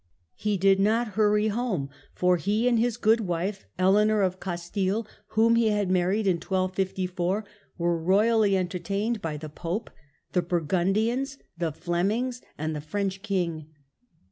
He did not hurry home, for he and ««*«y "^« his good wife, Eleanor of Castile (whom he had married in 1254), were royally entertained by the Pope, the Bur gundmns, the Flemings, and the French king.